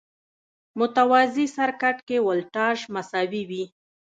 متوازي سرکټ کې ولټاژ مساوي وي.